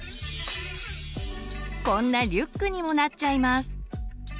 こんなリュックにもなっちゃいます。